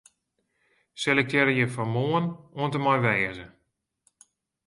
Selektearje fan 'Moarn' oant en mei 'wêze'.